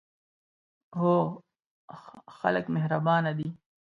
هو، خلک مهربانه دي